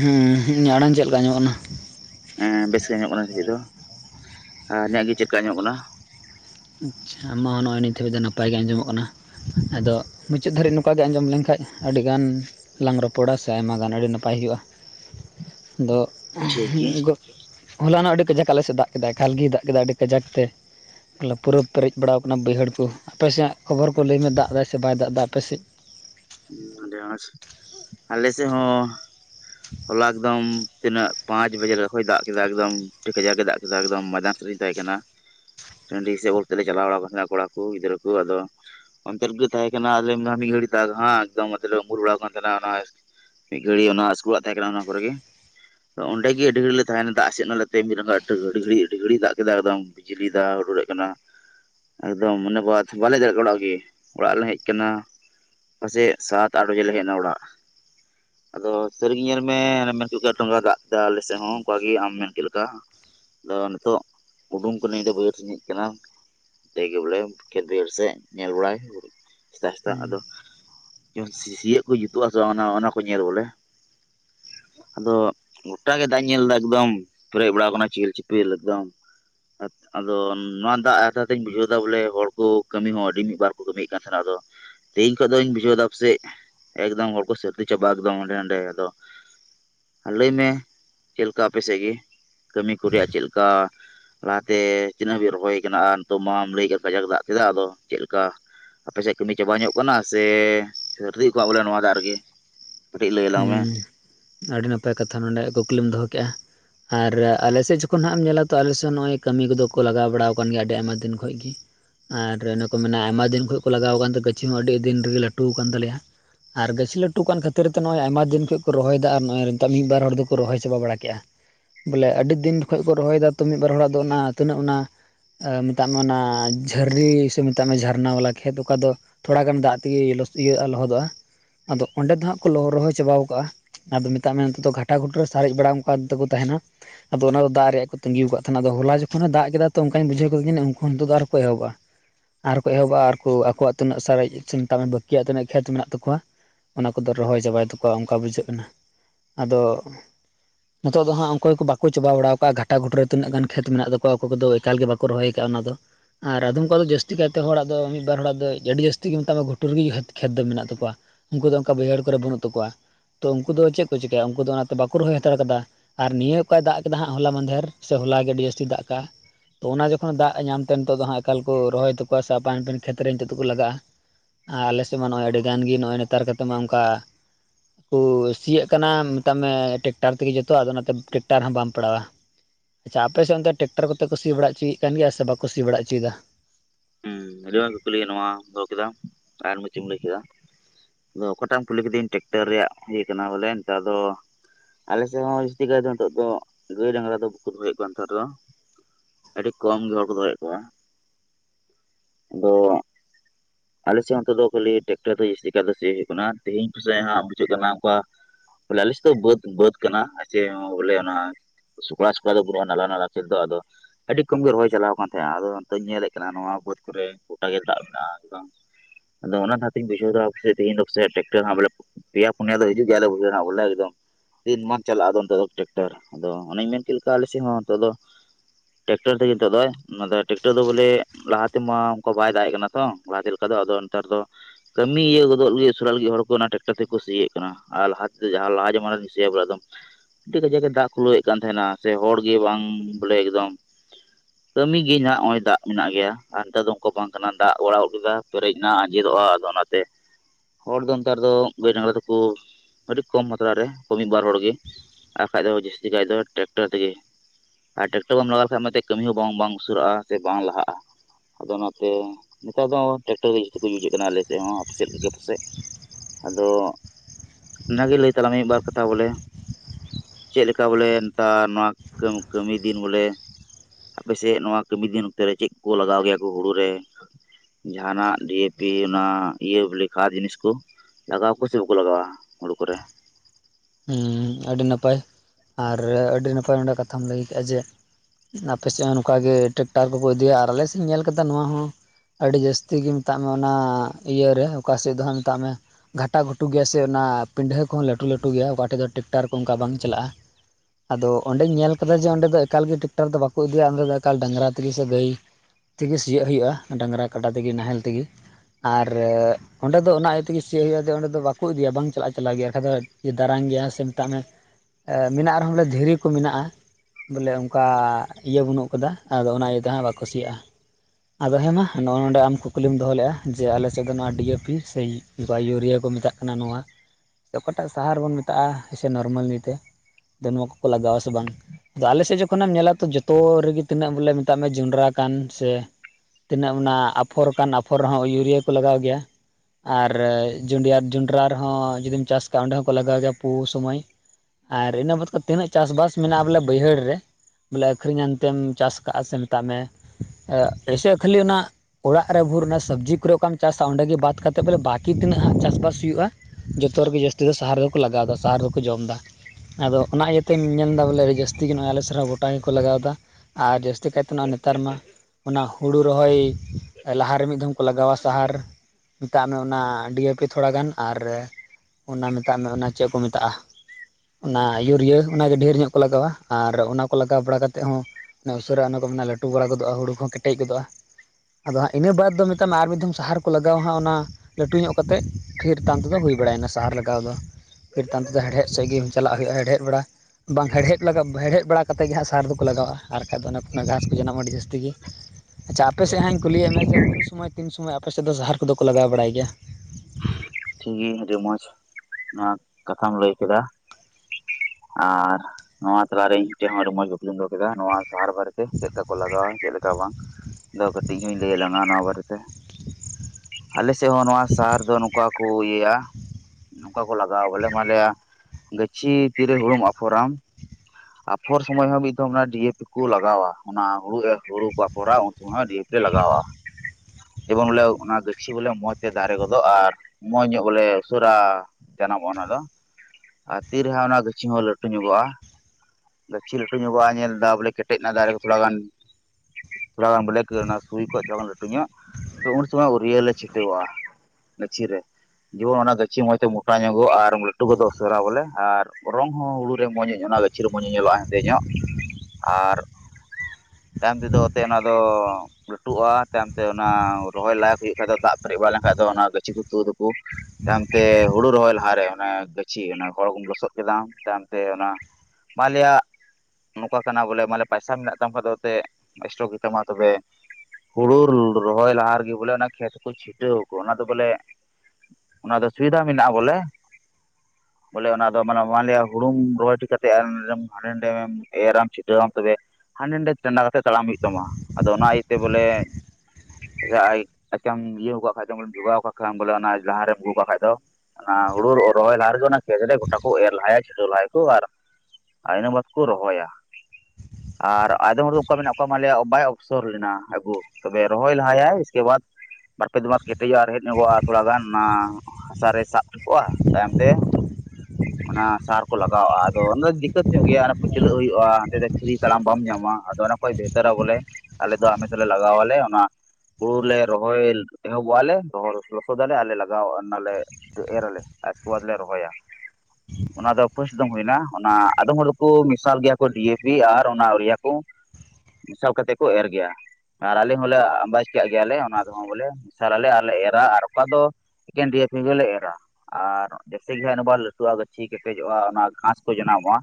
ᱦᱸ ᱤᱧᱟᱜ ᱟᱲᱟᱝ ᱪᱮᱫ ᱞᱮᱠᱟ ᱟᱡᱚᱢᱚᱜ ᱠᱟᱱᱟ? ᱵᱮᱥ ᱜᱮ ᱧᱚᱜ ᱠᱟᱱᱟ ᱾ᱱᱤᱛᱚᱜ ᱫᱚ ᱟᱨ ᱱᱤᱭᱟᱹᱜ ᱜᱮ ᱪᱮᱫ ᱞᱮᱠᱟ ᱟᱡᱚᱢᱚᱜ ᱠᱟᱱᱟ? ᱟᱪᱪᱷᱟ ᱟᱢ ᱦᱚᱸ ᱱᱚᱭ ᱱᱤᱛ ᱦᱟᱹᱵᱤᱡ ᱫᱚ ᱱᱟᱯᱟᱭ ᱜᱮ ᱟᱸᱡᱚᱢᱚᱜ ᱠᱟᱱᱟ ᱾ ᱟᱫᱚ ᱢᱩᱪᱟᱹᱫ ᱫᱷᱵᱤᱡ ᱱᱚᱝᱠᱟ ᱜᱮ ᱟᱸᱡᱚᱢ ᱞᱮᱱᱠᱷᱟᱱ, ᱟᱹᱰᱤᱜᱟᱱ ᱞᱟᱝ ᱨᱚᱯᱚᱲᱟ ᱥᱮ ᱟᱭᱢᱟ ᱜᱟᱱ ᱟᱹᱰᱤ ᱱᱟᱯᱟᱭ ᱦᱩᱭᱩᱜᱜᱼᱟ ᱾ ᱟᱫᱚ ᱴᱷᱤᱠ ᱜᱮ ᱦᱚᱞᱟᱱ ᱟᱹᱰᱤ ᱠᱟᱡᱟᱠ ᱟᱞᱮ ᱥᱮᱫ ᱫᱟᱜ ᱠᱮᱫᱟ ᱾ ᱠᱷᱟᱞᱜᱮ ᱫᱟᱜ ᱠᱮᱫᱟᱭ ᱟᱹᱰᱤ ᱠᱟᱡᱟᱠ ᱛᱮ ᱾ ᱮ ᱯᱩᱨᱟᱹ ᱯᱮᱨᱮᱡ ᱵᱟᱲᱟᱣ ᱟᱠᱟᱱᱟ ᱵᱟᱹᱭᱦᱟᱹᱲ ᱠᱚ ᱾ ᱟᱯᱮᱥᱮᱫᱟᱜ ᱠᱷᱚᱵᱚᱨ ᱠᱚ ᱞᱟᱹᱭ ᱢᱮ ᱫᱟᱜ ᱮᱫᱟ ᱥᱮ ᱵᱟᱭ ᱫᱟᱜ ᱮᱫᱟ ᱟᱯᱮ ᱥᱮᱫ? ᱟᱹᱰᱤ ᱢᱚᱸᱡᱽ ᱟᱞᱮ ᱥᱮᱜ ᱦᱚᱸ ᱾ ᱦᱚᱞᱟ ᱮᱠᱫᱚᱢ ᱛᱤᱱᱟᱹᱜ ᱯᱟᱸᱪ ᱵᱟᱡᱮ ᱠᱷᱚ ᱫᱟᱜ ᱠᱮᱫᱟ ᱾ ᱮᱠᱚᱢ ᱴᱷᱤᱠ ᱠᱟᱡᱟᱨ ᱜᱮ ᱫᱟᱜ ᱮᱠᱚᱢ ᱢᱟᱡᱟᱥ ᱨᱮ ᱛᱟᱦᱮᱸ ᱠᱟᱱᱟ ᱾ ᱴᱟᱺᱰᱤ ᱥᱮᱫ ᱚᱞ ᱛᱮᱞᱮ ᱪᱟᱞᱟᱣ ᱵᱟᱲᱟ ᱠᱟᱱ ᱛᱟᱦᱮᱸᱱᱟ ᱾ ᱠᱚᱲᱟ ᱠᱚ ᱜᱤᱫᱽᱨᱟᱹ ᱠᱚ ᱾ ᱟᱫᱚ ᱚᱱᱛᱮ ᱨᱮᱜᱮ ᱞᱮ ᱛᱟᱦᱮᱸ ᱠᱟᱱᱟ ᱟᱞᱮ ᱢᱟ ᱢᱤᱫ ᱜᱷᱟᱹᱲᱤ ᱛᱟᱨ ᱦᱮᱸ ᱮᱠᱫᱚᱢ ᱢᱚᱛᱞᱚᱵ ᱢᱩᱨᱜᱟᱲ ᱵᱟᱲᱟ ᱠᱟᱱ ᱛᱟᱦᱮᱱᱟ ᱚᱱᱟ ᱢᱤᱫ ᱜᱷᱟᱹᱲᱤ ᱚᱱᱟ ᱤᱥᱠᱩᱞᱟᱜ ᱛᱟᱦᱮᱸ ᱠᱟᱱᱟ ᱚᱱᱟ ᱠᱚᱨᱮ ᱜᱮ ᱾ ᱛᱚ ᱚᱸᱰᱮ ᱜᱮ ᱟᱹᱰᱤ ᱜᱷᱟᱹᱲᱤᱡ ᱞᱮ ᱛᱟᱦᱮᱱᱟ ᱫᱟᱜ ᱥᱮᱫ ᱱᱟᱞᱮ ᱛᱮ ᱢᱤᱫ ᱜᱷᱤᱹᱲᱤ ᱠᱷᱚᱱ ᱟᱹᱰᱤ ᱜᱷᱟᱹᱲᱤ ᱟᱹᱰᱤ ᱜᱷᱟᱹᱲᱤ ᱫᱟᱜ ᱠᱮᱫᱟ ᱮᱫᱚᱢ ᱾ ᱵᱤᱡᱽᱞᱤ ᱫᱟ ᱦᱩᱰᱩᱨᱟᱹᱜ ᱠᱟᱱᱟ ᱾ ᱮᱠᱫᱚᱢ ᱢᱚᱱᱮ ᱵᱟᱫ ᱵᱟᱞᱮ ᱫᱟᱲᱮᱭᱟᱜ ᱠᱟᱱᱟ ᱚᱲᱟᱜ ᱜᱮ ᱾ ᱚᱲᱟᱜ ᱨᱮ ᱞᱮ ᱦᱮᱡ ᱠᱟᱱᱟ ᱾ ᱢᱟᱥᱮ ᱥᱟᱛ ᱟᱴ ᱵᱟᱡᱮ ᱞᱮ ᱦᱮᱡ ᱮᱱᱟ ᱚᱲᱟᱜ ᱾ [inaudible] ᱟᱫᱚ ᱥᱟᱹᱨᱤ ᱜᱮ ᱧᱮᱞ ᱢᱮ ᱢᱮᱱ ᱛᱩᱫ ᱞᱮᱠᱟ ᱫᱟᱜ ᱠᱮᱫᱟ ᱟᱞᱮ ᱥᱮᱜ ᱦᱚᱸ ᱚᱝᱠᱟᱜ ᱜᱮ ᱟᱢ ᱢᱮᱱ ᱠᱮᱜ ᱞᱮᱠᱟ ᱾ ᱟᱫᱚ ᱱᱤᱛᱚᱜ ᱩᱰᱩᱝ ᱠᱟᱹᱱᱟᱹᱧ ᱫᱚ ᱵᱟᱹᱭᱦᱟᱹᱨ ᱥᱮᱜ ᱤᱧ ᱦᱮᱡ ᱠᱟᱱᱟ ᱾ ᱪᱮᱜ ᱜᱮ ᱵᱚᱞᱮ ᱠᱷᱮᱛ ᱵᱟᱹᱲ ᱥᱮᱫ ᱧᱮᱞ ᱵᱟᱲᱟᱭ ᱥᱮᱛᱟᱜ ᱥᱮᱛᱟᱜ ᱦᱮᱸ ᱟᱫᱚ᱾ ᱡᱮᱢᱚᱱ ᱥᱤᱥᱤᱭᱟᱹᱜ ᱠᱚ ᱡᱩᱛᱩᱜ ᱟᱥ ᱚᱱᱟ ᱚᱱᱟ ᱠᱚ ᱧᱮᱞ ᱵᱚᱞᱮ ᱟᱫᱚ ᱜᱚᱴᱟᱜ ᱜᱮ ᱫᱟᱜ ᱤᱧ ᱧᱮᱞ ᱮᱫᱟ ᱮᱠᱫᱚᱢ ᱯᱮᱨᱮᱡ ᱵᱟᱲᱟ ᱟᱠᱟᱱᱟ ᱪᱤᱯᱮᱞ ᱪᱤᱯᱮᱞ ᱮᱠᱫᱚᱢ ᱟᱫᱚ ᱱᱚᱣᱟ ᱫᱟᱜ ᱟᱣᱛᱟ ᱛᱮᱧ ᱵᱩᱡᱷᱟᱹᱣ ᱫᱟ ᱵᱚᱞᱮ ᱦᱚᱲ ᱠᱚ ᱠᱟᱹᱢᱤ ᱦᱚᱸ ᱟᱹᱰᱤ ᱢᱤᱫ ᱵᱟᱨ ᱠᱚ ᱠᱟᱹᱢᱤᱭᱮᱫ ᱠᱟᱱ ᱛᱟᱦᱮᱸᱱᱟ ᱟᱫᱚ ᱛᱮᱦᱮᱧ ᱠᱷᱚᱡ ᱫᱚᱧ ᱵᱩᱡᱷᱟᱹᱣ ᱫᱟ ᱯᱟᱥᱮᱜ ᱮᱠᱫᱚᱢ ᱦᱚᱲ ᱠᱚ ᱥᱟᱹᱨᱫᱤ ᱪᱟᱵᱟ ᱮᱠᱫᱚᱢ ᱦᱟᱸᱰᱮ ᱱᱟᱰᱮ ᱟᱫᱚ ᱞᱟᱹᱭ ᱢᱮ ᱪᱮᱫ ᱞᱮᱠᱟ ᱟᱯᱮ ᱥᱮᱫ ᱜᱮ ᱠᱟᱹᱢᱤ ᱠᱚ ᱨᱮᱭᱟᱜ ᱪᱮᱫ ᱞᱮᱠᱟ ᱞᱟᱦᱟᱛᱮ ᱛᱤᱱᱟᱹᱜ ᱦᱟᱹᱵᱤᱡ ᱨᱚᱦᱚᱭ ᱠᱟᱱᱟ ᱟᱨ ᱱᱤᱛᱚᱜ ᱢᱟᱢ ᱞᱟᱹᱭ ᱠᱮᱫ ᱵᱡᱟᱨ ᱫᱟᱜ ᱠᱮᱫᱟ᱾ ᱟᱫᱚ ᱪᱮᱫ ᱞᱮᱠᱟ? ᱟᱯᱮᱫ ᱠᱟᱹᱢᱤ ᱪᱟᱵᱟ ᱧᱚᱜᱼᱟ? ᱠᱟᱱᱟ ᱥᱮ ᱨᱤᱫ ᱠᱚᱜ ᱵᱚᱞᱮ ᱱᱚᱣᱟ ᱫᱟᱜ ᱨᱮᱜᱮ ᱠᱟᱹᱴᱤᱡ ᱞᱟᱹᱭ ᱟᱞᱟᱝ ᱢᱮ ᱦᱮᱸ ᱟᱹᱰᱤ ᱱᱟᱯᱟᱭ ᱠᱟᱛᱷᱟ ᱱᱚᱰᱮ ᱠᱩᱠᱞᱤᱢ ᱫᱚᱦᱚ ᱠᱮᱜᱼᱟ ᱾ ᱟᱨ ᱟᱞᱮᱥᱮᱫ ᱡᱚᱠᱷᱚᱱ ᱦᱟᱜ ᱮᱢ ᱧᱮᱞᱟ ᱛᱚ ᱟᱞᱮ ᱥᱮᱫ ᱱᱚᱜ ᱚᱚᱭ ᱠᱟᱹᱢᱤ ᱠᱚᱫᱚ ᱠᱚ ᱞᱟᱜᱟᱣ ᱵᱟᱲᱟ ᱟᱠᱟᱱ ᱜᱮᱭᱟ ᱟᱹᱰᱤ ᱟᱭᱢᱟ ᱫᱤᱱ ᱠᱷᱚᱱᱚᱡ ᱜᱮᱹ᱾ ᱟᱨ ᱚᱱᱮ ᱠᱚ ᱢᱮᱱᱟ ᱟᱭᱢᱟ ᱫᱤᱱ ᱠᱷᱚᱡ ᱠᱚ ᱞᱟᱜᱟᱣ ᱠᱟᱱ ᱜᱟᱹᱪᱷᱤ ᱦᱚᱸ ᱟᱹᱰᱤ ᱫᱤᱱ ᱨᱮᱜᱮ ᱞᱟᱹᱴᱩ ᱠᱟᱱᱟᱱ ᱛᱟᱞᱮᱭᱟ᱾ ᱟᱨ ᱜᱟᱹᱪᱷᱤ ᱞᱟᱹᱴᱩ ᱠᱟᱱ ᱠᱷᱟᱹᱛᱤᱨ ᱛᱮ ᱱᱚᱜ ᱚᱭ ᱟᱭᱢᱟ ᱫᱤᱱ ᱠᱷᱚᱱᱚᱡ ᱠᱚ ᱨᱚᱦᱚᱭ ᱟᱨ ᱱᱚᱜᱼᱚᱭ [unintelligible] ᱢᱤᱫᱵᱟᱨ ᱦᱚᱲ ᱫᱚᱠᱚ ᱨᱚᱦᱚᱭ ᱪᱟᱵᱟ ᱵᱟᱲᱟ ᱠᱮᱫᱟ᱾ ᱵᱚᱞᱮ ᱟᱹᱰᱤ ᱫᱤᱱ ᱠᱷᱚᱱᱚᱡ ᱠᱚ ᱨᱚᱦᱚᱭᱮᱫᱟ ᱛᱚ ᱢᱤᱫᱵᱟᱨ ᱦᱚᱲᱟᱜ ᱫᱚ ᱛᱤᱱᱟᱹᱜ ᱚᱱᱟ ᱢᱮᱛᱟᱜ ᱢᱮ ᱚᱱᱟ ᱡᱷᱟᱹᱨᱱᱤ ᱥᱮ ᱢᱮᱛᱟᱜ ᱢᱮ ᱡᱷᱟᱨᱱᱟ ᱵᱟᱞᱟ ᱠᱷᱮᱛ ᱚᱠᱟ ᱫᱚ ᱛᱷᱚᱲᱟ ᱜᱟᱱ ᱫᱟᱜ ᱛᱮᱜᱮ ᱤᱭᱟ. ᱞᱚᱦᱚᱫᱚᱜᱼᱟ ᱟᱫᱚ ᱚᱸᱰᱮ ᱫᱚᱦᱟᱸᱜ ᱠᱚ ᱞ ᱨᱚᱦᱚᱭ ᱪᱟᱵᱟᱟᱣᱠᱟᱜᱼᱟ᱾ ᱟᱫᱚ ᱢᱮᱛᱟᱜ ᱢᱮ ᱱᱚᱜ ᱫᱚ ᱜᱷᱟᱴᱟ ᱜᱩᱴᱩᱨ ᱨᱮ ᱥᱟᱨᱮᱡ ᱵᱟᱲᱟ ᱚᱱᱠᱟ ᱛᱮᱠᱚ ᱛᱟᱦᱮᱱᱟ᱾ ᱟᱫᱚ ᱚᱱᱟ ᱫᱚ ᱫᱟᱜ ᱨᱮᱭᱟᱜ ᱠᱚ ᱛᱟᱹᱜᱤ ᱟᱠᱟᱫ ᱛᱟᱦᱮᱸᱱᱟᱫᱚ ᱦᱚ ᱡᱚᱠᱷᱚᱱ ᱫᱟᱜ ᱠᱮᱫᱟ ᱚᱱᱠᱟᱧ ᱵᱩᱡᱷᱟᱹᱣᱫᱤᱟ ᱩᱱᱠᱩ ᱫᱚ ᱟᱨᱚᱸ ᱠᱚ ᱮᱦᱚᱵᱼᱟ᱾ ᱟᱨᱠᱚ ᱮᱦᱚᱵᱟ ᱟᱨ ᱟᱠᱚᱣᱟᱜ ᱛᱤᱱᱟᱹᱜ ᱥᱟᱨᱮᱡ ᱵᱟᱹᱠᱤᱭᱟᱜ ᱛᱤᱱᱟᱹᱜ ᱠᱷᱮᱛ ᱢᱮᱱᱟᱜ ᱛᱟᱠᱚᱣᱟ ᱚᱱᱟ ᱠᱚᱫᱚ ᱨᱚᱦᱚᱭ ᱪᱟᱵᱟᱭ ᱛᱟᱠᱚᱣᱟ ᱚᱱᱠᱟ ᱵᱩᱡᱷᱟᱹᱜ ᱠᱟᱱᱟ ᱟᱫᱚ ᱦᱤᱛᱚᱜ ᱫᱚ ᱦᱟᱸᱜ ᱚᱠᱚᱭ ᱠᱚ ᱵᱟᱠᱚ ᱪᱟᱵᱟ ᱵᱟᱲᱟᱣ ᱠᱟᱜ ᱜᱷᱟᱴᱟ ᱜᱷᱩᱴᱩ ᱨᱮ ᱛᱤᱱᱟᱹᱜ ᱜᱟᱱ ᱠᱷᱮᱛ ᱢᱮᱱᱟᱜ ᱛᱟᱠᱚᱣᱟ ᱚᱭ ᱠᱚᱫᱚ ᱮᱠᱟᱞ ᱜᱮ ᱵᱟᱠᱚ ᱨᱚᱦᱚᱭ ᱠᱟᱫᱼᱟ ᱚᱱᱟᱫᱚ ᱟᱨ ᱟᱫᱚᱢ ᱠᱚᱣᱟᱜ ᱫᱚ ᱡᱟᱹᱥᱛᱤ ᱠᱟᱭᱛᱮ ᱦᱚᱲᱟᱜ ᱫᱚ ᱢᱤᱫᱵᱟᱨ ᱦᱚᱲᱟᱜ ᱫᱚ ᱟᱹᱰᱤ ᱡᱟᱹᱥᱛᱤ ᱜᱮ ᱢᱮᱛᱟᱜᱢᱢᱮ ᱠᱷᱮᱛ ᱫᱚ ᱢᱮᱱᱟᱜ ᱛᱟᱠᱚᱣᱟ ᱩᱱᱠᱩ ᱫᱚ ᱚᱱᱠᱟ ᱵᱟᱹᱭᱦᱟᱹᱲ ᱠᱚᱨᱮ ᱵᱟᱹᱱᱩᱜ ᱛᱟᱠᱚᱣᱟ ᱛᱚ ᱩᱱᱠᱩ ᱫᱚ ᱪᱮᱫ ᱠᱚ ᱪᱤᱠᱟᱹᱭᱟ ᱩᱱᱠᱩ ᱫᱚ ᱚᱱᱟᱛᱮ ᱵᱟᱠᱚ ᱨᱚᱦᱚᱭ ᱦᱟᱛᱟᱲ ᱠᱟᱫᱟ᱾ ᱟᱨ ᱱᱤᱭᱟᱹ ᱚᱠᱟᱭ ᱫᱟᱜ ᱠᱮᱫᱟ ᱦᱟᱸᱜ ᱦᱚᱞᱟ ᱢᱟᱫᱮᱨ ᱥᱮ ᱦᱚᱞᱟ ᱜᱮ ᱟᱹᱰᱤ ᱡᱟᱹᱥᱛᱤ ᱫᱟᱜ ᱠᱟᱜᱼᱟ ᱛᱚ ᱚᱱᱟ ᱡᱚᱠᱷᱚᱱ ᱫᱟᱜ ᱧᱟᱢᱛᱮ ᱱᱤᱛᱚᱜ ᱫᱚ ᱦᱟᱜ ᱮᱠᱟᱞ ᱠᱚ ᱨᱚᱦᱚᱭ ᱛᱟᱠᱚᱣᱟ ᱥᱮ ᱟᱯᱟᱱᱯᱤᱱ ᱠᱷᱮᱛᱨᱮ ᱱᱤᱛᱚᱜ ᱫᱚᱠᱚ ᱞᱟᱜᱟᱜᱼᱟ ᱟ ᱟᱞᱮᱥᱮᱫ ᱢᱟ ᱱᱚᱜᱼᱚᱭ ᱟᱹᱰᱤ ᱜᱟᱱ ᱜᱮ ᱱᱚᱜᱼᱚᱭ ᱱᱮᱛᱟᱨ ᱠᱟᱛᱮᱫ ᱢᱟ ᱚᱱᱠᱟ ᱠᱚ ᱥᱤᱭᱟᱜ ᱠᱟᱱᱟ ᱢᱮᱛᱟᱜ ᱢᱮ ᱴᱮᱠᱴᱟᱨ ᱛᱮᱜᱮ ᱡᱚᱛᱚ ᱟᱫᱚ ᱚᱱᱟᱛᱮ ᱴᱮᱠᱴᱟᱨ ᱦᱚᱸ ᱵᱟᱢ ᱯᱟᱲᱟᱣᱟ ᱟᱪᱪᱷᱟ ᱟᱯᱮᱫ ᱚᱱᱛᱮ ᱴᱮᱠᱴᱟᱨ ᱠᱚᱛᱮ ᱠᱚ ᱥᱤ ᱵᱟᱲᱟ ᱚᱪᱚᱭᱮᱫ ᱜᱮᱭᱟ ᱥᱮ ᱵᱟᱠᱚ ᱥᱤ ᱵᱟᱲᱟ ᱚᱪᱚᱭᱮᱫᱟ᱾ ᱟᱹᱰᱤᱢᱟᱝ ᱠᱩᱠᱞᱤᱭ ᱱᱚᱶᱟ ᱫᱚᱦᱚ ᱠᱮᱫᱟᱢ ᱟᱨ ᱢᱚᱸᱪ ᱮᱢ ᱞᱟᱹᱭ ᱠᱮᱫᱟ ᱫᱚ ᱚᱠᱟᱴᱟᱜ ᱮᱢ ᱠᱩᱞᱤ ᱠᱤᱫᱤᱧ ᱴᱮᱠᱴᱚᱨ ᱨᱮᱭᱟᱜ ᱤᱭᱟᱹ ᱠᱟᱱᱟ ᱵᱚᱞᱮ ᱱᱮᱛᱟ ᱫᱚ ᱟᱞᱮᱥᱮᱫ ᱦᱚᱸ ᱡᱟᱹᱥᱛᱤ ᱠᱟᱭ ᱫᱚ ᱱᱤᱛᱚᱜ ᱫᱚ ᱜᱟᱹᱭ ᱰᱟᱝᱨᱟ ᱫᱚ ᱵᱟᱠᱚ ᱫᱚᱦᱚᱭᱮᱫ ᱠᱚᱣᱟ ᱱᱮᱛᱟᱨ ᱫᱚ ᱟᱹᱰᱤ ᱠᱚᱢ ᱜᱮ ᱦᱚᱲ ᱠᱚ ᱫᱚᱦᱚᱭᱮᱫ ᱠᱚᱣᱟ᱾ ᱟᱫᱚ ᱟᱞᱮᱮᱥᱮᱫ ᱟᱴᱚ ᱱᱛᱮ ᱫᱚ ᱠᱷᱟᱹᱞᱤ ᱴᱠᱴᱟᱨ ᱫᱚ ᱡᱟᱹᱛᱤ ᱠᱟᱜ ᱫᱚ ᱪ ᱦ ᱦᱩᱭᱩᱜ ᱠᱟᱱᱟ ᱛ ᱛᱮᱦᱮᱧ ᱵᱩᱡᱷᱟᱹᱜ ᱠᱟᱱᱟ ᱠᱟ᱾ ᱵᱚᱞᱮ ᱟᱞᱮᱥᱮᱫ ᱫᱚ ᱵᱟᱹᱫᱽ ᱵᱟᱹᱫᱽ ᱠᱟᱱᱟ ᱵᱚᱞᱮ ᱚᱱᱟ ᱥᱩᱠᱲᱟ ᱥᱩᱠᱲᱟ ᱫᱚ ᱵᱩᱨᱩᱜᱼᱟ ᱱᱟᱞ ᱱᱟ ᱠᱷᱮᱞ ᱫᱚ ᱟᱫᱚ ᱟᱹᱰᱤ ᱠᱚᱢ ᱜᱮ ᱨᱚᱦᱚᱭ ᱪᱟᱞᱟᱣ ᱠᱟᱱ ᱛᱟᱦᱮᱸ-ᱟ ᱟᱫᱚ ᱚᱱᱛᱮᱧ ᱧᱮᱞᱮᱫ ᱠᱟᱱᱟ ᱱᱚᱣᱟ ᱵᱟᱹᱫ ᱠᱚᱨᱮ ᱜᱚᱴᱟᱜ ᱜᱮ ᱫᱟᱜ ᱢᱮᱱᱟᱜᱼᱟ ᱵᱟᱝ ᱟᱫᱚ ᱚᱱᱟ ᱫᱷᱟᱣ ᱛᱮ ᱵᱩᱡᱷᱟ. ᱣ ᱫᱟ ᱯᱟᱥᱮᱫ ᱴᱟᱠᱴᱟᱨ ᱦᱟᱜ ᱯᱮᱭᱟ ᱯᱩᱱᱭᱟ ᱫᱚ ᱦᱤᱡᱩᱜ ᱜᱮᱭᱟ [unintelligible] ᱵᱚᱞᱮ ᱮᱠᱫᱚᱢ ᱫᱤᱱ ᱢᱟᱢ ᱪᱟᱞᱟᱜᱼᱟ ᱟᱫᱚ ᱱᱤᱛ ᱫᱚ ᱴᱮᱠᱴᱟᱨ ᱟᱫᱚ ᱚᱱᱮᱧ ᱢᱮᱱ ᱠᱮᱫ ᱞᱮᱠᱟ ᱟᱞᱮᱥᱮᱫ ᱦᱚᱸ ᱱᱤᱛᱚᱜ ᱫᱚ ᱴᱠᱴᱟᱨ ᱛᱮᱚᱜ ᱫᱚᱮᱠᱴᱟᱨ ᱫᱚ ᱵᱚᱞᱮ ᱞᱟᱦᱟᱛᱮ ᱢᱟ ᱚᱱᱠᱟ ᱵᱟᱭ ᱫᱟᱜ ᱮᱫ ᱠᱟᱱᱟ ᱛᱚ ᱞᱟᱦᱟᱛᱮ ᱞᱮᱠᱟ ᱫᱚ ᱟᱫᱚ ᱱᱮᱛᱟᱨ ᱫᱚ ᱠᱟᱹᱢᱤ ᱤᱭᱟᱹ ᱜᱚᱫᱚᱜ ᱞᱟᱹᱜᱤᱫ ᱩᱥᱟᱹᱨᱟᱜ ᱞᱟᱹᱜᱤᱫ ᱦᱚᱲ ᱠᱚ ᱚᱱᱟ ᱴᱮᱨᱟᱠᱴᱟᱨ ᱛᱮᱠᱚ ᱥᱤᱭᱮᱫ ᱠᱟᱱᱟ ᱟᱨ ᱞᱟᱦᱟ ᱛᱮᱫᱚ [unintelligible] ᱢᱤᱫᱴᱟᱝᱠᱟᱡᱟᱠᱮ ᱫᱟᱜ ᱠᱷᱩᱞᱟᱹᱣ ᱮᱮᱫ ᱠᱟᱱ ᱛᱟᱦᱮᱱᱟ ᱥᱮ ᱦᱚᱲᱜᱮ ᱵᱟᱝ ᱵᱚᱞᱮ ᱮᱠᱫᱚᱢ ᱠᱟᱹᱢᱤ ᱜᱮ ᱱᱟᱦᱟᱜ ᱚᱭ ᱫᱟᱜ ᱢᱮᱱᱟᱜ ᱜᱮᱭᱟ ᱦᱟᱱᱛᱮ ᱫᱚ ᱚᱱᱠᱟ ᱵᱟᱝ ᱠᱟᱱᱟ ᱫᱟᱜ ᱜᱲᱟᱜ ᱩᱰᱩᱠᱟ ᱯᱮᱨᱮᱡ ᱮᱱᱟ ᱟᱸᱡᱮᱫᱚᱜᱼᱟ ᱟᱫᱚ ᱚᱱᱟᱛᱮ ᱦᱚᱲ ᱫᱚ ᱱᱮᱛᱟᱨ ᱫᱚ ᱜᱟᱹᱭ ᱰᱟᱝᱨᱟ ᱫᱩᱠᱩ ᱟᱰᱤ ᱠᱚᱢ ᱢᱟᱛᱨᱟ ᱨᱮ ᱢᱤᱫ ᱵᱟᱨ ᱦᱚᱲ ᱜᱤ᱾ ᱟᱨ ᱵᱟᱠᱷᱟᱡ ᱫᱚ ᱡᱟᱹᱥᱛᱤ ᱠᱟᱭ ᱫᱚ ᱴᱮᱠᱴᱚᱨ ᱛᱮᱜᱮ᱾ ᱟᱨ ᱴᱮᱠᱴᱚᱨ ᱵᱟᱢ ᱞᱟᱜᱟᱣ ᱞᱮᱠᱷᱟᱱ ᱠᱟᱢᱤ ᱦᱚᱸ ᱵᱟᱝ ᱩᱥᱟᱹᱨᱟᱜᱼᱟ, ᱥᱮ ᱵᱟᱝ ᱞᱟᱦᱟᱜᱼᱟ᱾ ᱟᱫᱚ ᱚᱱᱟᱛᱮ ᱱᱮᱛᱟᱨ ᱫᱚ ᱴᱨᱮᱠᱴᱚᱨ ᱜᱮ ᱡᱟᱥᱛᱤ ᱠᱚ ᱤᱭᱩᱡᱮ ᱠᱟᱱᱟ ᱟᱞᱮ ᱥᱮᱜ ᱦᱚᱸ ᱟᱯᱮᱥᱮᱜ ᱜᱮ ᱯᱟᱥᱮᱜ᱾ ᱟᱫᱚ ᱚᱱᱟᱜᱮ ᱞᱟᱹᱭ ᱛᱟᱞᱟᱝ ᱢᱮ ᱢᱤᱜ ᱵᱟᱨ ᱠᱟᱛᱷᱟ ᱵᱚᱞᱮ᱾ ᱪᱮᱜ ᱞᱮᱠᱟ ᱵᱚᱞᱮ ᱱᱮᱛᱟᱨ ᱱᱚᱣᱟ ᱠᱟᱹ ᱠᱟᱹᱢᱤ ᱫᱤᱱ ᱵᱚᱞᱮ ᱟᱯᱮᱥᱮᱫ ᱱᱚᱣᱟ ᱠᱟᱢᱤ ᱫᱤᱱ ᱛᱚᱨᱮ ᱪᱮᱫ ᱠᱚ ᱞᱟᱜᱟᱣ ᱜᱮᱭᱟ ᱠᱚ ᱦᱳᱲᱳ ᱨᱮ? ᱡᱟᱦᱱᱟᱜ ᱰᱤᱭᱮᱯᱤ ᱚᱱᱟ ᱤᱭᱟᱹ ᱵᱚᱞᱮ ᱠᱷᱟᱫ ᱡᱤᱱᱤᱥ ᱠᱚ? ᱞᱟᱜᱟᱣᱟᱠᱩ ᱥᱮ ᱵᱟᱠᱩ ᱞᱟᱜᱟᱣᱟ ᱦᱳᱲᱳ ᱠᱚᱨᱮ? ᱦᱩᱸ ᱟᱰᱤ ᱱᱟᱯᱟᱭ, ᱟᱨ ᱟᱰᱤ ᱱᱟᱯᱟᱭ ᱱᱚᱸᱰᱮ ᱠᱟᱛᱷᱟᱢ ᱞᱟᱹᱭ ᱠᱮᱜᱼᱟ ᱡᱮ ᱟᱯᱮ ᱥᱮᱜ ᱦᱚᱸ ᱱᱚᱝᱠᱟ ᱜᱮ ᱴᱮᱠᱴᱟᱨ ᱠᱚᱠᱚ ᱤᱫᱤᱭᱟ, ᱟᱨ ᱟᱞᱮ ᱥᱮᱫ ᱦᱚᱧ ᱧᱮᱞ ᱠᱟᱫᱟ ᱱᱚᱣᱟ ᱦᱚᱸ ᱟᱹᱰᱤ ᱡᱟᱹᱥᱛᱤ ᱜᱮ ᱢᱮᱛᱟᱜ ᱢᱮ ᱚᱱᱟ ᱤᱭᱟᱹᱨᱮ ᱚᱠᱟ ᱥᱮᱫ ᱫᱚ ᱦᱟᱜ ᱢᱮᱛᱟᱜ ᱢᱮ ᱜᱷᱟᱴᱟᱼ ᱜᱷᱩᱴᱩ ᱜᱮᱭᱟ ᱥᱮ ᱚᱱᱟ ᱯᱤᱰᱷᱟᱹ ᱠᱚᱦᱚᱸ ᱞᱟᱹᱴᱩ ᱞᱟᱹᱴᱩ ᱜᱮᱭᱟ ᱚᱠᱟ ᱴᱷᱮᱡ ᱫᱚ ᱴᱨᱟᱠᱴᱟᱨ ᱠᱚ ᱚᱱᱠᱟ ᱵᱟᱝ ᱪᱟᱞᱟᱜᱼᱟ ᱟᱫᱚ ᱚᱸᱰᱮᱧ ᱧᱮᱞ ᱠᱮᱫᱟ ᱡᱮ ᱚᱸᱰᱮ ᱫᱚ ᱮᱠᱟᱞ ᱜᱮ ᱴᱮᱠᱴᱟᱨ ᱫᱚ ᱵᱟᱠᱚ ᱤᱫᱤᱭᱟ ᱚᱸᱰᱮ ᱫᱚ ᱮᱠᱟᱞ ᱰᱟᱝᱜᱨᱟ ᱛᱮᱜᱮ ᱥᱮ ᱜᱟᱹᱭ ᱛᱤᱜᱤ ᱥᱤᱭᱚᱜ ᱦᱩᱭᱩᱜᱼᱟ ᱰᱟᱝᱨᱟ ᱠᱟᱰᱟ ᱛᱤᱜᱤ ᱱᱟᱦᱮᱞ ᱛᱤᱜᱤ᱾ ᱟᱨ ᱚᱸᱰᱮ ᱫᱚ ᱚᱱᱟ ᱤᱭᱟᱹ ᱛᱮᱜᱮ ᱥᱤᱭᱚᱜ ᱦᱩᱭᱩᱜᱼᱟ ᱚᱸᱰᱮ ᱫᱚ ᱵᱟᱠᱚ ᱤᱫᱤᱭᱟ ᱵᱟᱝ ᱪᱟᱞᱟᱜᱼᱟ ᱪᱟᱞᱟᱣ ᱜᱤ ᱟᱨ ᱵᱟᱠᱷᱟᱡ ᱫᱚ ᱫᱟᱨᱟᱝ ᱜᱮᱭᱟ ᱥᱮ ᱢᱮᱛᱟᱜ ᱢᱮ, ᱢᱮᱱᱟᱜ ᱨᱮᱸᱦᱚᱸ ᱵᱚᱞᱮ, ᱫᱷᱤᱨᱤ ᱠᱚ ᱢᱮᱱᱟᱜᱼᱟ᱾ ᱵᱚᱞᱮ ᱚᱝᱠᱟ ᱤᱭᱟᱹ ᱵᱟᱱᱩᱜ ᱠᱟᱫᱟ ᱟᱫᱚ ᱚᱱᱟ ᱤᱭᱟᱹ ᱫᱚ ᱦᱟᱸᱜ ᱵᱟᱠᱚ ᱥᱤᱭᱚᱜᱼᱟ᱾ ᱟᱫᱚ ᱦᱮᱸ ᱢᱟ ᱱᱚᱜᱼᱚ ᱱᱚᱰᱮ ᱟᱢ ᱠᱩᱠᱞᱤᱢ ᱫᱚᱦᱚ ᱞᱮᱜᱼᱟ ᱡᱮ ᱟᱞᱮᱥᱮᱜ ᱫᱚ ᱱᱚᱣᱟ ᱰᱤ ᱮ ᱯᱤ ᱥᱮ ᱵᱟᱭᱩᱨᱤᱭᱟᱹ ᱠᱚ ᱢᱮᱛᱟᱜ ᱠᱟᱱᱟ ᱱᱚᱣᱟ᱾ ᱚᱠᱟᱴᱟᱜ ᱥᱟᱦᱟᱨ ᱵᱚᱱ ᱢᱮᱛᱟᱜᱼᱟ ᱦᱮᱥᱮ ᱱᱚᱨᱢᱟᱞ ᱤᱭᱟᱹ ᱛᱮ᱾ ᱫᱮᱱ ᱱᱟᱣᱟ ᱠᱚᱠᱚ ᱞᱟᱜᱟᱣᱟ ᱥᱮ ᱵᱟᱝ? ᱫᱟ ᱟᱞᱮᱥᱮᱫ ᱡᱚᱠᱷᱚᱱᱮᱢ ᱧᱮᱞᱟ ᱛᱚ ᱡᱚᱛᱚ ᱨᱮᱜᱮ ᱛᱤᱱᱟᱹᱜ ᱵᱚᱞᱮ ᱢᱮᱛᱟᱜ ᱢᱮ ᱡᱚᱱᱰᱨᱟ ᱠᱟᱱ ᱥᱮ ᱛᱤᱱᱟᱹᱜ ᱚᱱᱟ ᱟᱯᱷᱚᱨ ᱠᱟᱱ ᱟᱯᱷᱚᱨ ᱨᱮᱦᱚᱸ ᱤᱭᱩᱨᱤᱭᱟᱹ ᱠᱚ ᱞᱟᱜᱟᱣ ᱜᱮᱭᱟ᱾ ᱟᱨ ᱡᱚᱱᱰᱭᱟᱨ ᱡᱚᱱᱰᱨᱟ ᱨᱮᱦᱚᱸ ᱡᱩᱫᱤᱢ ᱪᱟᱥ ᱠᱟᱜᱼᱟ ᱚᱸᱰᱮ ᱦᱚᱸᱠᱚ ᱞᱟᱜᱟᱣ ᱜᱮᱭᱟ ᱯᱩ ᱥᱳᱢᱳᱭ᱾ ᱟᱨ ᱤᱱᱟᱹ ᱵᱟᱛ ᱠᱟᱛᱮ ᱛᱤᱱᱟᱹᱜ ᱪᱟᱥᱵᱟᱥ ᱢᱮᱱᱟᱜᱼᱟ ᱵᱚᱞᱮ ᱵᱟᱹᱭᱦᱟᱹᱲ ᱨᱮ ᱵᱚᱞᱮ ᱟᱠᱷᱨᱤᱧ ᱟᱱᱛᱮᱢ ᱪᱟᱥ ᱠᱟᱜᱼᱟ ᱥᱮ ᱢᱮᱛᱟᱜ ᱢᱮ ᱮᱹᱭᱥᱮᱹ ᱠᱷᱟᱞᱤ ᱚᱱᱟ ᱚᱲᱟᱜ ᱨᱮ ᱵᱷᱩᱨ ᱚᱱᱟ ᱥᱟᱵᱽᱡᱤ ᱠᱚᱨᱮ ᱚᱠᱟᱢ ᱪᱟᱥᱟ ᱚᱸᱰᱮᱜᱮ ᱵᱟᱫ ᱠᱟᱛᱮᱫ ᱵᱚᱞᱮ ᱵᱟᱠᱤ ᱛᱤᱱᱟᱹᱜ ᱪᱟᱥᱵᱟᱥ ᱦᱩᱭᱩᱜᱼᱟ᱾ ᱡᱚᱛᱚ ᱨᱮᱜᱮ ᱡᱟᱥᱛᱤ ᱫᱚ ᱥᱟᱦᱟᱨ ᱜᱮᱠᱚ ᱞᱟᱜᱟᱣᱫᱟ ᱥᱟᱨ ᱜᱮᱠᱩ ᱡᱚᱢᱫᱟ᱾ ᱟᱫᱚ ᱚᱱᱟ ᱤᱭᱟᱹᱛᱮᱧ ᱢᱮᱱ ᱫᱟ ᱵᱚᱞᱮ ᱟᱰᱤ ᱡᱟᱹᱥᱛᱤ ᱜᱮ ᱱᱚᱜᱼᱚᱭ ᱟᱞᱮ ᱥᱮᱨ ᱦᱚᱸ ᱜᱚᱴᱟ ᱜᱮᱠᱚ ᱞᱟᱜᱟᱣᱫᱟ᱾ ᱟᱨ ᱡᱟᱹᱥᱛᱤ ᱠᱟᱭᱛᱮ ᱱᱮᱛᱟᱨ ᱢᱟ ᱚᱱᱟ ᱦᱩᱲᱩ ᱨᱚᱦᱚᱭ ᱞᱟᱦᱟᱨᱮ ᱢᱤᱫ ᱫᱷᱚᱢ ᱠᱚ ᱞᱟᱜᱟᱣᱟ ᱥᱟᱦᱟᱨ᱾ ᱢᱮᱛᱟᱜ ᱢᱮ ᱚᱱᱟ ᱰᱤ ᱮ ᱯᱤ ᱛᱷᱚᱲᱟ ᱜᱟᱱ ᱟᱨ ᱚᱱᱟ ᱢᱮᱛᱟᱜ ᱢᱮ ᱚᱱᱟ ᱪᱮᱫ ᱠᱚ ᱢᱮᱛᱟᱜᱼᱟ᱾ ᱚᱱᱟ ᱤᱭᱩᱨᱤᱭᱟᱹ ᱚᱱᱟᱜᱤ ᱰᱷᱮᱨ ᱧᱚᱜ ᱠᱚ ᱞᱟᱜᱟᱣᱟ ᱟᱨ ᱚᱱᱟ ᱠᱚ ᱞᱟᱜᱟᱣ ᱵᱟᱲᱟ ᱠᱟᱛᱮᱜ ᱦᱚᱸ ᱚᱱᱟ ᱩᱥᱟᱹᱨᱟ ᱚᱱᱟ ᱠᱚ ᱢᱮᱱᱟᱜᱼᱟ ᱞᱟᱹᱴᱩ ᱵᱟᱲᱟ ᱜᱚᱫᱚᱜᱼᱟ ᱦᱩᱲᱩ ᱠᱚᱸᱦᱚᱸ ᱠᱮᱴᱮᱡ ᱜᱚᱫᱚᱜᱼᱟ᱾ ᱟᱫᱚ ᱦᱟᱸᱜ ᱤᱱᱟᱹ ᱵᱟᱫᱽ ᱫᱚ ᱢᱮᱛᱟᱢᱟ ᱟᱨ ᱢᱤᱫ ᱫᱷᱚᱢ ᱥᱟᱦᱟᱨ ᱠᱚ ᱞᱟᱜᱟᱣᱟ ᱦᱟᱸᱜ ᱚᱱᱟ ᱞᱟᱴᱩ ᱧᱚᱜ ᱠᱟᱛᱮᱫ ᱠᱷᱤᱨ ᱛᱟᱱ ᱛᱮᱫᱚ ᱦᱩᱭ ᱵᱟᱲᱟᱭᱱᱟ ᱥᱟᱦᱟᱨ ᱞᱟᱜᱟᱣ ᱫᱚ ᱯᱷᱤᱨ ᱛᱟᱱ ᱛᱮᱫᱚ ᱦᱮᱲᱦᱮᱫ ᱥᱮᱫᱜᱤᱢ ᱪᱟᱞᱟᱜ ᱦᱩᱭᱩᱜᱼᱟ ᱦᱮᱲᱦᱮᱫ ᱵᱟᱲᱟ ᱵᱟᱝ ᱦᱮᱲᱦᱮᱫ ᱞᱟᱜᱟ ᱦᱮᱲᱦᱮᱫ ᱵᱟᱲᱟ ᱠᱟᱛᱮᱫ ᱜᱮ ᱦᱟᱸᱜ ᱥᱟᱨ ᱫᱚᱠᱚ ᱞᱟᱜᱟᱣᱜᱼᱟ ᱟᱨᱠᱷᱟᱡ ᱫᱚ ᱚᱱᱟ ᱜᱷᱟᱥ ᱠᱚ ᱡᱟᱱᱟᱢᱚᱜᱼᱟ ᱟᱹᱰᱤ ᱡᱟᱹᱥᱛᱤ ᱜᱤ ᱟᱪᱪᱷᱟ ᱟᱯᱮᱥᱮᱫ ᱦᱟᱸᱜᱤᱧ ᱠᱩᱞᱤᱭᱮᱫ ᱢᱮ ᱡᱮ ᱛᱤᱱ ᱥᱚᱢᱚᱭ ᱛᱤᱱ ᱥᱚᱢᱚᱭ ᱟᱯᱮ ᱥᱮᱫ ᱫᱚ ᱥᱟᱦᱟᱨ ᱠᱚᱫᱚ ᱠᱚ ᱞᱟᱜᱟᱣ ᱵᱟᱲᱟᱭ ᱜᱮᱭᱟ ᱴᱷᱤᱠ ᱜᱤᱭᱟᱹᱧ ᱟᱰᱤ ᱢᱚᱸᱡᱽ ᱱᱚᱣᱟ ᱠᱟᱛᱷᱟᱢ ᱞᱟᱹᱭ ᱠᱮᱫᱟ ᱟᱨ ᱱᱚᱣᱟ ᱛᱟᱞᱟᱨᱮ ᱤᱧ ᱴᱷᱮᱡ ᱦᱚᱸ ᱟᱰᱤ ᱢᱚᱸᱡᱽ ᱠᱩᱠᱞᱤᱢ ᱫᱚᱦᱚ ᱠᱮᱫᱟ ᱱᱚᱣᱟ ᱥᱟᱦᱟᱨ ᱵᱟᱨᱮᱛᱮ ᱪᱮᱫ ᱠᱟ ᱠᱚ ᱞᱟᱜᱟᱣᱟ ᱪᱮᱫ ᱞᱮᱠᱟ ᱵᱟᱝ ᱴᱤᱡ ᱤᱧ ᱞᱟᱹᱭ ᱞᱟᱝᱟ ᱱᱚᱣᱟ ᱵᱟᱨᱮᱛᱮ ᱟᱞᱮ ᱥᱮᱫ ᱦᱚᱸ ᱱᱚᱣᱟ ᱥᱟᱦᱟᱨ ᱫᱚ ᱵᱟᱠᱚ ᱤᱭᱟᱹᱭᱟ ᱱᱚᱝᱠᱟ ᱠᱚ ᱞᱟᱜᱟᱣᱟ ᱵᱚᱞᱮ ᱢᱟᱞᱮᱭᱟ ᱜᱟᱹᱪᱷᱤ ᱛᱤᱨᱮ ᱦᱩᱲᱩᱝᱚᱜᱼᱟ ᱯᱷᱚᱨᱚᱢ ᱟᱯᱷᱚᱨ ᱥᱚᱢᱚᱭ ᱦᱚᱸ ᱢᱤᱫ ᱫᱷᱚᱢ ᱚᱱᱟ ᱰᱤ ᱮ ᱯᱤ ᱠᱩ ᱞᱟᱜᱟᱣᱟ ᱚᱱᱟ ᱦᱩᱲᱩ ᱮᱨ ᱦᱩᱲᱩ ᱠᱷᱚᱨᱟ ᱩᱱ ᱥᱚᱢᱚᱭ ᱦᱚᱸ ᱰᱤᱭᱮᱯᱤ ᱞᱮ ᱞᱟᱜᱟᱣᱟ [unintelligible] ᱡᱮᱢᱚᱱ ᱵᱚᱞᱮ ᱚᱱᱟ ᱜᱟᱹᱪᱷᱤ ᱵᱚᱞᱮ ᱢᱚᱸᱡᱽ ᱛᱮ ᱫᱟᱨᱮ ᱜᱚᱫᱚᱜᱼᱟᱨ ᱢᱚᱸᱡᱽ ᱧᱚᱜ ᱵᱚᱞᱮ ᱩᱥᱟᱹᱨᱟ ᱡᱟᱱᱟᱢᱚᱜᱼᱟ ᱚᱱᱟ ᱫᱚ ᱟᱨ ᱛᱤ ᱨᱮᱦᱟᱸᱜ ᱚᱱᱟ ᱜᱟᱹᱪᱷᱤ ᱦᱚᱸ ᱞᱟᱹᱴᱩ ᱧᱚᱜᱚᱜᱼᱟ ᱜᱟᱹᱪᱷᱤ ᱞᱟᱹᱴᱩ ᱧᱚᱜᱼᱟ ᱧᱮᱞᱫᱟ ᱵᱚᱞᱮ ᱠᱮᱴᱮᱡ ᱮᱱᱟ ᱫᱟᱨᱮ ᱠᱚ ᱛᱷᱚᱲᱟ ᱜᱟᱱ ᱛᱷᱚᱲᱟ ᱜᱟᱱ ᱵᱞᱮᱠ ᱥᱩᱭ ᱠᱚ ᱛᱷᱚᱲ ᱜᱟᱱ ᱞᱟᱹᱴᱩ ᱧᱚᱜ ᱛᱚ ᱩᱱ ᱥᱚᱢᱚᱭ ᱨᱭᱤᱭᱟᱹ ᱞᱮ ᱪᱷᱤᱴᱟᱹᱣ ᱟᱜᱼᱟ ᱜᱟᱪᱷᱤ ᱨᱮ ᱡᱮᱢᱚᱱ ᱚᱱᱟ ᱜᱟᱹᱪᱷᱤ ᱢᱚᱡᱽ ᱛᱮ ᱢᱚᱴᱟ ᱧᱚᱜᱼᱟ ᱟᱨ ᱞᱟᱹᱴᱩ ᱜᱚᱫᱚᱜ ᱩᱥᱟᱹᱨᱟ ᱵᱚᱞᱮ ᱟᱨ ᱨᱚᱝ ᱦᱚᱸ ᱦᱩᱲᱩ ᱨᱮ ᱢᱚᱡᱽ ᱧᱚᱜᱼᱟ ᱚᱱᱟ ᱜᱟᱹᱪᱷᱤ ᱛᱤᱱᱟᱹᱜ ᱢᱚᱡ ᱧᱮᱞᱚᱜᱼᱟ ᱦᱮᱱᱫᱮ ᱧᱚᱜ ᱦ ᱟᱨ ᱛᱟᱭᱚᱢ ᱛᱮᱫᱚ ᱮᱛᱮᱫ ᱚᱱᱟ ᱫᱚ ᱞᱟᱹᱴᱩᱜᱼᱟ ᱛᱟᱭᱚᱢᱛᱮ ᱚᱱᱟ ᱨᱚᱦᱚᱭ ᱦᱩᱭᱩᱜ ᱠᱷᱟᱡ ᱫᱚ ᱫᱟᱜ ᱯᱮᱨᱮᱡ ᱵᱟᱲᱟ ᱞᱮᱱᱠᱷᱟᱱᱡ ᱫᱚ ᱚᱱᱟ ᱜᱟᱹᱪᱷᱤ ᱠᱚ ᱛᱩᱫ ᱚ ᱛᱟᱭᱚᱢᱛᱮ ᱦᱩᱲᱩ ᱨᱚᱦᱚᱭ ᱞᱟᱦᱟᱨᱮ ᱚᱱᱮ ᱜᱟᱹᱪᱷᱤ ᱦᱚᱲ ᱠᱚᱢ ᱞᱚᱥᱚᱫ ᱠᱮᱫᱟ ᱛᱟᱭᱚᱢᱛᱮ ᱚᱱᱟ ᱵᱟᱞᱮᱭᱟᱜ ᱱᱚᱝᱠᱟ ᱠᱟᱱᱟ ᱵᱚᱞᱮ ᱯᱟᱭᱥᱟ ᱢᱮᱱᱟᱜ ᱛᱟᱢ ᱠᱷᱟ ᱮ ᱥᱴᱚᱠ ᱜᱮᱛᱟᱢᱟ ᱛᱚᱵᱮ ᱦᱩᱲᱩ ᱨᱚᱦᱚᱭ ᱞᱟᱦᱟ ᱨᱮᱜᱮ ᱵᱚᱞᱮ ᱚᱱᱟ ᱠᱷᱮᱛ ᱠᱚ ᱪᱷᱤᱴᱟᱹᱣ ᱟᱠᱚ ᱚᱱᱟ ᱫᱚ ᱵᱚᱞᱮ ᱚᱱᱟ ᱫᱚ ᱥᱩᱵᱤᱫᱟ ᱢᱮᱱᱟᱜᱼᱟ ᱵᱚᱞᱮ ᱦ ᱵᱚᱞᱮ ᱚᱱᱟ ᱫᱚ ᱢᱟᱱᱮ ᱢᱞ ᱦᱩᱲᱩᱢ ᱨᱚᱦᱚᱭ ᱴᱷᱤᱠ ᱠᱟᱛᱮ ᱦᱟᱸᱰᱮ ᱱᱟᱰᱮ ᱮᱨ ᱟᱢ ᱪᱷᱤᱴᱟᱹᱣ ᱟᱢ ᱛᱚᱵᱮ ᱦᱟᱸᱰᱮ ᱱᱟᱰᱮ ᱱᱟᱞᱟ ᱛᱮ ᱛᱟᱲᱟᱢ ᱦᱩᱭᱩᱜ ᱛᱟᱢᱟ ᱟᱫᱚ ᱚᱱᱟ ᱤᱭᱟᱹᱛᱮ ᱵᱚᱞᱮ ᱟᱡ ᱟᱪᱪ ᱤᱭᱟᱹ ᱠᱟᱜ ᱠᱷᱟᱡ ᱫᱚᱚᱞᱮ ᱡᱚᱜᱟᱣ ᱠᱟᱜ ᱠᱷᱟᱱ ᱵᱚᱞᱮ ᱚᱱᱟ ᱞᱟᱦᱟᱨᱮᱢ ᱟᱹᱜᱩ ᱠᱫ ᱠᱷᱟᱡ ᱫᱚ ᱚᱱᱟ ᱦᱩᱲᱩ ᱨᱚᱦᱚᱭ ᱞᱟᱦᱟ ᱨᱮᱜᱮ ᱚᱱᱟ ᱠᱷᱮᱛ ᱨᱮ ᱜᱚᱴᱟ ᱠᱚ ᱮᱨ ᱞᱟᱦᱟᱭᱟ ᱪᱷᱤᱴᱟᱹ ᱞᱟᱦᱟ ᱭᱟᱠᱚ ᱟᱨ ᱟᱨ ᱤᱱᱟᱹ ᱵᱟᱫ ᱠᱚ ᱨᱚᱦᱚᱭᱟ ᱦ ᱟᱨ ᱟᱫᱚᱢ ᱦᱚᱲ ᱫᱚ ᱚᱠᱟ ᱢᱮ ᱚᱠᱟ ᱢᱟᱞᱮᱭᱟ ᱵᱟᱭ ᱚᱯᱥᱚᱨ ᱞᱮᱱᱟ ᱟᱹᱜᱩ ᱛᱚᱵᱮ ᱨᱚᱦᱚᱭ ᱞᱟᱦᱟᱭᱟᱭ ᱤᱥᱠᱮᱵᱟᱫᱽ ᱵᱟᱨ ᱯᱮ ᱫᱩᱦᱟᱛ ᱠᱮᱴᱮᱡᱼᱟ ᱟᱨᱦᱮᱡ ᱧᱚᱜᱼᱟ ᱛᱷᱚᱲᱟ ᱜᱟᱱ ᱚᱱᱟ ᱦᱟᱥᱟᱮ ᱥᱟᱵ ᱴᱷᱤᱠᱚᱜᱼᱟ ᱛᱟᱭᱚᱢ ᱛᱮ ᱦ [unintelligible] ᱚᱱᱟ ᱥᱟᱨ ᱠᱚ ᱞᱟᱜᱟᱣᱟᱜᱼᱟ ᱟᱫᱚ ᱚᱱᱟ ᱫᱚ ᱫᱤᱠᱠᱟᱛ ᱧᱚᱜ ᱜᱮᱭᱟ ᱚᱱᱟ ᱯᱷᱪᱞᱟᱹᱜ ᱦᱩᱭᱩᱜᱼᱟ ᱯᱷᱤᱨᱨᱤ ᱛᱟᱲᱟᱢ ᱵᱟᱢ ᱧᱟᱢᱟ ᱟᱫᱚ ᱚᱱᱟ ᱠᱷᱚᱡ ᱩᱛᱟᱹᱨᱟ ᱵᱚᱞᱮ ᱟᱞᱮ ᱫᱚ ᱦᱟᱢᱮᱥᱟ ᱞᱮ ᱞᱟᱜᱟᱣᱟᱞᱮ ᱚᱱᱟ ᱦᱩᱲᱩ ᱞᱮ ᱨᱚᱦᱚᱭ ᱮᱦᱚᱵᱚᱜᱼᱟᱞᱮ ᱨᱚᱦ ᱞᱚᱥᱚᱫᱟᱞᱮ ᱟᱞᱮ ᱞᱟᱜᱟᱣ ᱚᱱᱟᱞᱮ ᱮᱨ ᱟᱞᱮ ᱟᱥᱠᱮ ᱵᱟᱫᱽ ᱞᱮ ᱨᱚᱦᱚᱭᱟᱞᱮ ᱦᱮᱸ ᱚᱱᱟ ᱫᱚ ᱯᱷᱟᱥᱴ ᱫᱚᱢ ᱦᱩᱭᱱᱟ ᱚᱱᱟ ᱟᱫᱚᱢ ᱦᱚᱲ ᱫᱚᱠᱚ ᱢᱮᱥᱟᱞ ᱜᱮᱭᱟ ᱠᱚ ᱰᱤ ᱮ ᱯᱤ ᱟᱨ ᱚᱱᱟ ᱤᱩᱨᱤᱭᱟ ᱠᱚ ᱢᱮᱥᱟᱞ ᱠᱟᱛᱮᱮᱫ ᱠᱚ ᱮᱨ ᱜᱮᱭᱟ ᱟᱨ ᱟᱞᱮ ᱦᱚᱸᱞᱮ ᱟᱵᱟᱪ ᱠᱟᱜ ᱜᱮᱭᱟᱞᱮ ᱚᱱᱟ ᱛᱮᱦᱚᱸ ᱵᱚᱞᱮ ᱢᱮᱥᱟᱞ ᱟᱞᱮ ᱟᱨᱞᱮ ᱮᱨᱟ ᱟᱨ ᱚᱠᱟ ᱫᱚ ᱮᱠᱮᱱ ᱰᱤ ᱮ ᱯᱤ ᱜᱮ ᱞᱮ ᱮᱨᱟ ᱟᱨ ᱡᱟᱹᱥᱛᱤᱵᱟᱨ ᱞᱟᱹᱴᱩᱜᱼᱟ ᱜᱟᱹᱪᱷᱤ ᱠᱮᱴᱮᱡᱚᱜᱼᱟ ᱚᱱᱟ ᱜᱷᱟᱥ ᱠᱚ ᱡᱟᱱᱟᱢᱚᱜᱼᱟ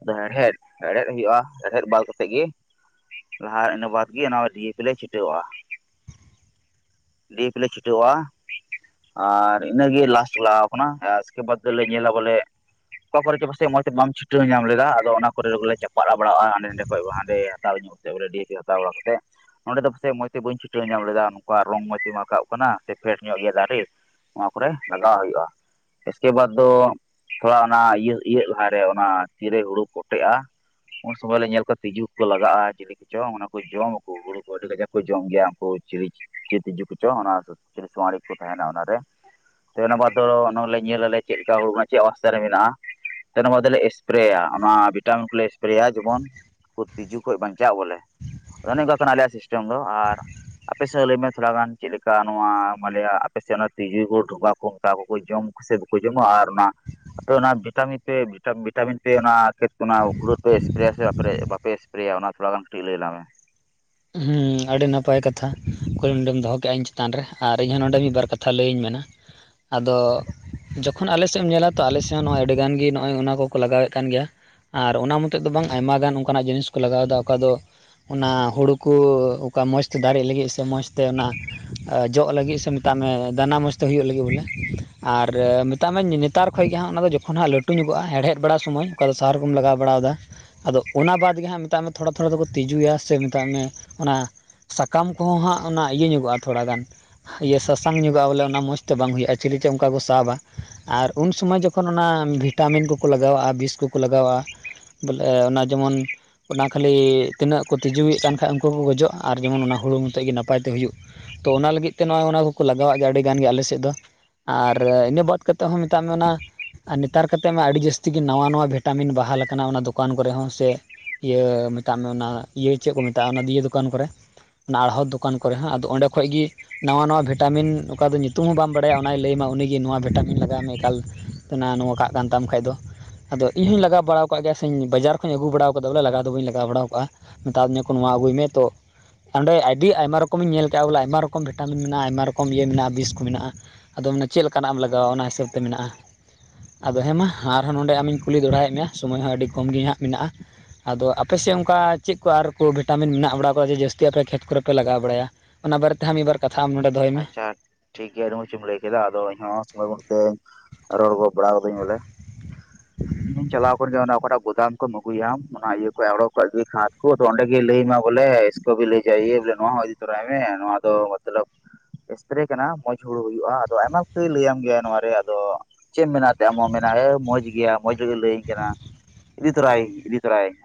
ᱟᱫᱚ ᱦᱮᱲᱦᱮᱫ ᱦᱮᱲᱦᱮᱫ ᱦᱩᱭᱩᱜ ᱟ ᱦᱮᱲᱦᱮᱫ ᱵᱟᱫ ᱠᱟᱛᱮᱫ ᱜᱮ ᱞᱟᱦᱟ ᱤᱱᱟᱹ ᱵᱟᱫ ᱜᱮᱤᱚᱱᱟ ᱰᱤ ᱮ ᱯᱤ ᱞᱮ ᱪᱷᱩᱴᱟᱹᱣ ᱟᱜ ᱟ ᱰᱤᱭ ᱮᱯ ᱞᱮ ᱪᱷᱤᱴᱟᱹᱣ ᱪᱷᱤᱴᱟᱹᱣ ᱟᱜ ᱟ ᱟᱨ ᱤᱱᱟᱹᱜᱮ ᱞᱟᱥᱴ ᱞᱟᱜᱟᱣ ᱠᱟᱱᱟ ᱮᱥᱠᱮ ᱵᱟᱫᱽ ᱫᱚᱞᱮ ᱧᱮᱞᱟ ᱵᱚᱞᱮ ᱚᱠᱟ ᱠᱚ ᱨᱮᱪᱚ ᱯᱟᱥᱮᱡ ᱢᱚᱡᱽ ᱛᱮ ᱵᱟᱢ ᱪᱷᱩᱴᱟᱹᱣ ᱧᱟᱢᱟ ᱞᱮᱫᱟ᱾ ᱟᱫᱟ ᱚᱱᱟ ᱠᱚᱨᱮ ᱫᱚ ᱵᱚᱞᱮ ᱪᱟᱯᱟᱜ ᱵᱟᱲᱟᱭᱟ ᱦᱟᱱᱰᱮ ᱱᱟᱱᱰᱮ ᱠᱚᱨᱮ ᱵᱟ ᱦᱟᱱᱰᱮ ᱦᱟᱛᱟᱣ ᱤᱫᱤᱜ ᱨᱮᱰᱤ ᱮ ᱦᱟᱛᱟᱣ ᱵᱟᱲᱟ ᱠᱟᱛᱮ ᱱᱚᱰᱮ ᱫᱚ ᱯᱟᱮᱡ ᱢᱚᱸᱡᱽ ᱛᱮ ᱵᱟᱹᱧ ᱪᱷᱤᱴᱟᱹᱣ ᱧᱟᱢ ᱞᱮᱫᱟ ᱱᱚᱝᱠᱟ ᱨᱚᱝ ᱢᱚᱸᱡᱽ ᱛᱮ ᱵᱟᱝ ᱨᱟᱠᱟᱵ ᱠᱟᱱᱟ ᱥᱮ ᱯᱷᱮᱰ ᱧᱚᱜ ᱜᱮ ᱫᱟᱨᱮ ᱱᱚᱣᱟ ᱠᱚᱨᱮ ᱞᱟᱜᱟᱣ ᱦᱩᱭᱩᱜᱼᱟ᱾ ᱤᱥᱠᱮ ᱵᱟᱫᱽ ᱫᱚ ᱛᱷᱚᱲᱟ ᱚᱱᱟ ᱤᱭᱟᱹ ᱤᱭᱟᱹᱜ ᱞᱟᱦᱟᱮ ᱚᱱᱟ ᱛᱤᱨᱮ ᱦᱩᱲᱩ ᱯᱚᱴᱮᱜᱼᱟ᱾ ᱩᱱ ᱥᱚᱢᱚᱭ ᱞᱮ ᱧᱮᱞ ᱠᱚᱣᱟ ᱛᱤᱡᱩ ᱠᱚ ᱞᱟᱜᱟᱜᱼᱟ᱾ ᱠᱚ ᱪᱚᱝ ᱚᱱᱟ ᱠᱚ ᱡᱚᱢᱟᱠᱚ ᱦᱩᱲᱩ ᱠᱚ ᱟᱹᱰᱤ ᱠᱟᱡᱟᱠ ᱠᱚ ᱡᱚᱢ ᱜᱮᱭᱟ ᱩᱱᱠᱩ ᱪᱤᱞᱤ ᱛᱤᱡᱩ ᱠᱚᱪᱚᱝ ᱚᱱᱟ ᱥᱚᱣᱟᱲᱤ ᱠᱚ ᱛᱟᱦᱮᱸᱱᱟ ᱚᱱᱟᱨᱮ᱾ ᱛᱚ ᱚᱱᱟ ᱵᱟᱫᱽ ᱫᱚ ᱞᱮ ᱧᱮᱞ ᱟᱞᱮ ᱪᱮᱫ ᱞᱮᱠᱟ ᱦᱩᱬᱩ ᱪᱮᱫ ᱚᱵᱥᱛᱟ ᱨᱮ ᱢᱮᱱᱟᱜᱼᱟ᱾ ᱚᱱᱟ ᱵᱟᱫᱞᱮ ᱥᱯᱨᱮᱭᱟ ᱚᱱᱟ ᱵᱷᱤᱴᱟᱢᱤᱱ ᱠᱚᱞᱮ ᱥᱯᱨᱮᱭᱟ ᱡᱮᱢᱚᱱ ᱛᱤᱡᱩ ᱠᱷᱚᱡ ᱵᱟᱧᱪᱟᱜᱼᱟ ᱵᱚᱞᱮ᱾ ᱚᱱᱮ ᱱᱚᱝᱠᱟ ᱠᱟᱱᱟ ᱟᱞᱭᱟᱜ ᱥᱤᱥᱴᱮᱢ ᱫᱚ ᱟᱨ ᱟᱯᱮ ᱥᱮᱫ ᱞᱟᱹᱭᱢᱮ ᱛᱷᱚᱲᱟ ᱜᱟᱱ ᱪᱮᱫᱞᱮᱠᱟ? ᱚᱱᱠᱟ ᱱᱚᱣᱟ ᱢᱟᱱᱮ ᱟᱯᱮ ᱥᱮᱫ ᱚᱱᱟ ᱛᱤᱡᱩ ᱠᱚ ᱰᱷᱚᱱᱵᱟ ᱠᱚ ᱚᱱᱠᱟ ᱠᱚ ᱡᱚᱢ ᱠᱚᱥᱮ ᱵᱟᱠᱚ ᱡᱚᱢᱟ ᱟᱨ ᱚᱱᱟ [unintelligible] ᱟᱯᱮ ᱚᱱᱟ ᱵᱷᱤᱴᱟᱢᱤᱱ ᱛᱮ ᱵᱷᱤᱴᱟᱢᱤᱱ ᱛᱮᱮ ᱚᱱᱟ ᱚᱱᱟ ᱦᱩᱲᱩ ᱯᱮ ᱮᱥᱯᱨᱮ ᱟᱭᱟ ᱥᱮ ᱵᱟᱯᱮ ᱮᱥᱯᱨᱮᱭᱟ ᱚᱱᱟ ᱛᱷᱚᱲᱟ ᱜᱟᱱ ᱠᱟᱹᱴᱤᱡ ᱞᱟᱹᱭ ᱟᱞᱟᱝ ᱢᱮ? ᱦᱩ ᱟᱹᱰᱤ ᱱᱟᱯᱟᱭ ᱠᱟᱛᱷᱟ ᱠᱩᱠᱞᱤᱢ ᱫᱚᱦᱚ ᱠᱮᱫᱮᱜᱼᱟ᱾ ᱤᱧ ᱪᱮᱛᱟᱱ ᱨᱮ ᱟᱨ ᱤᱧᱦᱚᱸ ᱱᱚᱰᱮ ᱢᱤᱫᱵᱟᱨ ᱠᱟᱛᱷᱟ ᱞᱟᱹᱭᱟᱹᱧ ᱢᱮᱱᱟ ᱾ ᱟᱫᱚ ᱡᱚᱠᱷᱚᱱ ᱟᱞᱮ ᱥᱮᱫ ᱮᱢ ᱧᱮᱞᱟ ᱛᱚ ᱟᱞᱮ ᱥᱮᱫ ᱦᱚᱸ ᱱᱚᱜᱼᱚᱭ ᱟᱹᱰᱤ ᱜᱟᱱ ᱜᱮ ᱱᱚᱜᱼᱚᱭ ᱚᱱᱟ ᱠᱚᱠᱚ ᱞᱟᱜᱟᱣᱮᱫ ᱠᱟᱱ ᱜᱮᱭᱟ ᱾ ᱟᱨ ᱚᱱᱟ ᱢᱚᱛᱮᱫ ᱫᱚ ᱵᱟᱝ ᱟᱭᱢᱟ ᱜᱟᱱ ᱚᱱᱠᱟᱱᱟᱜ ᱡᱤᱱᱤᱥ ᱠᱚ ᱞᱟᱜᱟᱣᱫᱟ ᱚᱠᱟ ᱫᱚ ᱚᱱᱟ ᱦᱩᱲᱩ ᱠᱚ ᱚᱠᱟ ᱢᱚᱡᱽ ᱛᱮ ᱫᱟᱨᱮᱜ ᱞᱟᱹᱜᱤᱫ ᱥᱮ ᱢᱚᱡᱽ ᱛᱮ ᱚᱱᱟ ᱡᱚᱜ ᱞᱟᱹᱜᱤᱫ ᱥᱮ ᱢᱮᱛᱟᱜ ᱢᱮ ᱫᱟᱱᱟ ᱢᱚᱡᱽ ᱛᱮ ᱦᱩᱭᱩᱜ ᱞᱟᱹᱜᱤᱫ ᱵᱚᱞᱮ ᱾ ᱟᱨ ᱢᱮᱛᱟᱜ ᱢᱮ ᱱᱮᱛᱟᱨ ᱠᱷᱚᱱ ᱜᱮ ᱦᱟᱸᱜ ᱚᱱᱟ ᱫᱚ ᱡᱚᱠᱷᱚᱱ ᱦᱟᱸᱜ ᱞᱟᱹᱴᱩ ᱧᱚᱜᱚᱜᱼᱟ᱾ ᱦᱮᱲᱦᱮᱫ ᱵᱟᱲᱟ ᱥᱚᱢᱚᱭ ᱚᱠᱟ ᱫᱚ ᱥᱟᱨ ᱵᱚᱱ ᱞᱟᱜᱟᱣ ᱵᱟᱲᱟᱣ ᱫᱟ ᱾ ᱟᱫᱚ ᱚᱱᱟ ᱵᱟᱫᱽ ᱜᱮ ᱦᱟᱸᱜ ᱢᱮᱛᱟᱜ ᱢᱮ ᱛᱷᱚᱲᱟ ᱛᱷᱚᱲᱟ ᱫᱚᱠᱚ ᱛᱤᱡᱩᱭᱟ ᱥᱮ ᱢᱮᱛᱟᱜ ᱢᱮ ᱚᱱᱟ ᱥᱟᱠᱟᱢ ᱠᱚᱦᱚᱸ ᱦᱟᱸᱜ ᱚᱱᱟ ᱤᱭᱟᱹ ᱧᱚᱜᱚᱜᱼᱟ ᱛᱷᱚᱲᱟ ᱜᱟᱱ ᱤᱭᱟᱹ ᱥᱟᱥᱟᱝ ᱧᱚᱜᱼᱟ ᱵᱚᱞᱮ ᱚᱱᱟ ᱢᱚᱸᱡᱽᱛᱮ ᱵᱟᱝ ᱦᱩᱭᱩᱜᱼᱟ ᱪᱤᱞᱤ ᱪᱚ ᱚᱱᱠᱟ ᱠᱚ ᱥᱟᱵᱟᱼᱟ ᱾ ᱟᱨ ᱩᱱ ᱥᱚᱢᱚᱭ ᱡᱚᱠᱷᱚᱱ ᱚᱱᱟ ᱵᱷᱤᱴᱟᱢᱤᱱ ᱠᱚᱠᱚ ᱞᱟᱜᱟᱣᱟᱜᱼᱟ ᱵᱤᱥ ᱠᱚᱠᱚ ᱞᱟᱜᱟᱣᱟᱜᱼᱟ ᱾ ᱵᱚᱞᱮ ᱚᱱᱟ ᱡᱮᱢᱚᱱ ᱚᱱᱟ ᱠᱷᱟᱹᱞᱤ ᱛᱤᱱᱟᱹᱜ ᱠᱚ ᱛᱤᱡᱩᱭᱮᱫ ᱠᱟᱱ ᱠᱷᱟ ᱦᱩᱲᱩ ᱠᱚᱠᱚ ᱜᱚᱡᱚᱜ ᱟᱨ ᱡᱮᱢᱚᱱ ᱚᱱᱟ ᱦᱩᱲᱩ ᱢᱚᱛᱚᱡ ᱜᱮ ᱱᱟᱯᱟᱭ ᱛᱮ ᱦᱩᱭᱩᱜ ᱾ ᱛᱚ ᱚᱱᱟ ᱞᱟᱹᱜᱤᱫ ᱛᱮ ᱱᱚᱜᱼᱚᱭ ᱚᱱᱟ ᱠᱚᱠᱚ ᱞᱟᱜᱟᱣᱟᱜ ᱜᱮᱭᱟ ᱟᱹᱰᱤ ᱜᱟᱱ ᱜᱮ ᱟᱞᱮ ᱥᱮᱫ ᱫᱚ ᱾ ᱟᱨ ᱤᱱᱟᱹ ᱵᱟᱫᱽ ᱠᱟᱛᱮᱫ ᱦᱚᱸ ᱢᱮᱛᱟᱜ ᱢᱮ ᱚᱱᱟ ᱾ ᱟᱨ ᱱᱮᱛᱟᱨ ᱠᱚᱛᱮᱜ ᱢᱟ ᱟᱹᱰᱤ ᱡᱟᱹᱥᱛᱤ ᱜᱮ ᱱᱟᱣᱟ ᱱᱟᱣᱟ ᱵᱷᱤᱴᱟᱢᱤᱱ ᱵᱟᱦᱟᱞ ᱠᱟᱱᱟ ᱚᱱᱟ ᱫᱚᱠᱟᱱ ᱠᱚᱨᱮ ᱦᱚᱸ ᱥᱮ ᱤᱭᱟᱹ ᱢᱮᱛᱟᱜ ᱢᱮ ᱚᱱᱟ ᱤᱭᱟᱹ ᱪᱮᱫ ᱠᱚ ᱢᱮᱛᱟᱜᱼᱟ ᱚᱱᱟ ᱫᱤᱭᱮ ᱫᱚᱠᱟᱱ ᱠᱚᱨᱮ ᱾ ᱚᱱᱟ ᱟᱬᱦᱚᱛ ᱫᱚᱠᱟᱱ ᱠᱚᱨᱮ ᱦᱚᱸᱟᱸᱜ ᱟᱫᱚ ᱚᱸᱰᱮ ᱠᱷᱚᱡ ᱜᱤ ᱱᱟᱣᱟ ᱱᱟᱣᱟ ᱵᱷᱤᱴᱟᱢᱤᱱ ᱚᱠᱟ ᱫᱚ ᱧᱩᱛᱩᱢ ᱦᱚᱸ ᱵᱟᱢ ᱵᱟᱲᱟᱭᱟ ᱚᱱᱟᱭ ᱞᱟᱹᱭᱢᱟ ᱩᱱᱤᱜᱮ ᱱᱚᱣᱟ ᱵᱷᱤᱴᱟᱢᱤᱱ ᱞᱟᱜᱟᱣ ᱢᱮ ᱮᱠᱟᱞ ᱚᱱᱟ ᱱᱚᱣᱟ ᱠᱟᱜ ᱠᱟᱱ ᱛᱟᱢ ᱠᱷᱟᱡ ᱫᱚ ᱾ ᱟᱫᱚ ᱤᱧ ᱦᱚᱧ ᱞᱟᱜᱟᱣ ᱵᱟᱲᱟᱣ ᱠᱟᱜ ᱜᱮᱭᱟ ᱥᱮᱧ ᱵᱟᱡᱟᱨ ᱠᱷᱚᱱᱚᱡᱧ ᱟᱹᱜᱩ ᱵᱟᱲᱟ ᱟᱠᱟᱫᱟ ᱵᱚᱞᱮ ᱞᱟᱜᱟᱣ ᱫᱚ ᱵᱟᱹᱧ ᱞᱟᱜᱟᱣ ᱵᱟᱲᱟᱣ ᱠᱟᱜᱼᱟ ᱾ ᱢᱮᱛᱟᱟᱣ ᱫᱤᱧᱟᱹ ᱠᱚ ᱱᱚᱣᱟ ᱟᱹᱜᱩᱭ ᱢᱮ ᱛᱚ ᱚᱸᱰᱮ ᱟᱹᱰᱤ ᱟᱭᱢᱟ ᱨᱚᱠᱚᱢᱤᱧ ᱧᱮᱞ ᱠᱮᱜᱼᱟ ᱵᱚᱞᱮ ᱟᱭᱢᱟ ᱨᱚᱠᱚᱢ ᱵᱷᱤᱴᱟᱢᱤᱱ ᱟᱭᱢᱟ ᱨᱚᱠᱚᱢ ᱵᱤᱥ ᱠᱚ ᱢᱮᱱᱟᱜᱼᱟ᱾ ᱟᱫᱚ ᱢᱟᱱᱮ ᱪᱮᱫ ᱞᱮᱠᱟᱱᱟᱜ ᱮᱢ ᱞᱟᱜᱟᱣᱟ ᱚᱱᱟ ᱦᱤᱥᱟᱹᱵᱽᱛᱮ ᱢᱮᱱᱟᱜᱼᱟ ᱟᱫᱚ ᱦᱮᱸ ᱢᱟ ᱟᱨᱦᱚᱸ ᱱᱚᱰᱮ ᱟᱢᱤᱧ ᱠᱩᱞᱤ ᱫᱚᱲᱟᱭᱮᱫ ᱢᱮᱭᱟ ᱥᱚᱢᱚᱭ ᱦᱚᱸ ᱟᱹᱰᱤ ᱠᱚᱢ ᱜᱮ ᱦᱟᱸᱜ ᱢᱮᱱᱟᱜᱼᱟ ᱟᱫᱚ ᱟᱯᱮᱥᱮᱫ ᱚᱱᱠᱟ ᱪᱮᱫ ᱠᱚ ᱟᱨ ᱠᱚ [unintelligible] ᱵᱷᱤᱴᱟᱢᱤᱱ ᱢᱮᱱᱟᱜ ᱵᱟᱲᱟ ᱠᱚᱣᱟ ᱡᱟᱹᱥᱛᱤ ᱟᱯᱮ ᱠᱷᱮᱛ ᱠᱚᱨᱮ ᱯᱮ ᱞᱟᱜᱟᱣ ᱵᱟᱲᱟᱭᱟ᱾ ᱚᱱᱟ ᱵᱟᱨᱮᱛᱮ ᱦᱟᱸᱜ ᱢᱤᱫ ᱵᱟᱨ ᱠᱟᱛᱷᱟ ᱟᱢ ᱱᱚᱸᱰᱮ ᱟᱪᱪᱷᱟ ᱾ ᱴᱷᱤᱠᱜᱮᱭᱟ ᱟᱹᱰᱤ ᱢᱚᱸᱡᱽ ᱮᱢ ᱞᱟᱹᱭ ᱠᱮᱫᱟ ᱟᱫᱚ ᱤᱧᱦᱚ ᱥᱚᱢᱚᱭ ᱵᱟᱱᱩᱜ ᱛᱮ ᱛᱮ ᱨᱚᱲ ᱜᱚᱜ ᱵᱟᱲᱟ ᱠᱟᱹᱫᱟᱹᱧ ᱵᱚᱞᱮ ᱾ ᱤᱧ ᱪᱟᱞᱟᱣ ᱠᱟᱱ ᱜᱮᱭᱟ ᱚᱱᱮ ᱚᱠᱟᱴᱟᱜ ᱜᱩᱫᱟᱢ ᱠᱷᱚᱱ ᱟᱹᱜᱩᱭᱟᱢ ᱾ ᱚᱱᱟ ᱤᱭᱟᱹ ᱠᱚ ᱟᱲᱚ ᱠᱷᱚᱡ ᱟᱛᱳᱫᱚ ᱚᱸᱰᱮ ᱜᱮ ᱞᱟᱹᱭᱟᱢᱮ ᱵᱚᱞᱮ ᱮᱥ ᱠᱚᱵᱮ ᱞᱟᱹᱭ ᱵᱮ ᱛᱚᱨᱟᱭ ᱢᱮ ᱱᱚᱣᱟ ᱫᱚ ᱢᱚᱛᱞᱚᱵᱼᱼ ᱮᱥᱯᱮᱨᱮ ᱠᱟᱱᱟ ᱢᱚᱸᱡᱽ ᱦᱩᱲᱩ ᱦᱩᱭᱩᱜᱼᱟ ᱟᱫᱚ ᱟᱭᱢᱟ ᱩᱥᱛᱟᱭ ᱞᱟᱹᱭᱟᱢ ᱜᱮᱭᱟ ᱱᱚᱣᱟᱟᱨᱮ ᱟᱫᱚ ᱪᱮᱫ ᱢᱮᱱᱟ ᱛᱮ ᱟᱢ ᱦᱚᱸ ᱢᱮᱱᱟ ᱦᱮᱸ ᱢᱚᱸᱡᱽ ᱜᱮᱭᱟ ᱢᱚᱸᱡᱽ ᱜᱮ ᱞᱟᱹᱭᱟᱹᱧ ᱠᱟᱱᱟ ᱾ ᱤᱫᱤ ᱛᱨᱟᱭ ᱤᱫᱤ ᱛᱨᱟᱭ ᱤᱧ᱾